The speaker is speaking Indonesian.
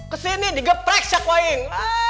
kesini digeprek siak waing